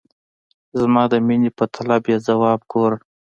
زما د میني په طلب یې ځواب ګوره !